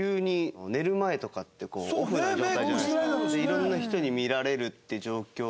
色んな人に見られるって状況とかは。